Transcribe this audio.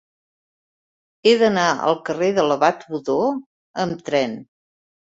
He d'anar al carrer de l'Abat Odó amb tren.